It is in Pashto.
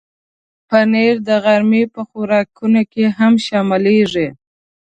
پنېر د غرمې په خوراکونو کې هم شاملېږي.